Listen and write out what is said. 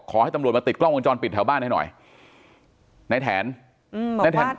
ขอให้ตำรวจมาติดกล้องวงจรปิดแถวบ้านให้หน่อยในแถนอืมในแถน